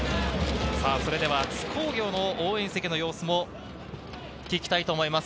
それでは津工業の応援席の様子も聞きたいと思います。